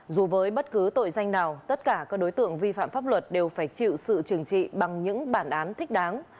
dù với bất cứ tội danh nào tất cả các đối tượng vi phạm pháp luật đều phải chịu sự trừng trị bằng những bản án thích đáng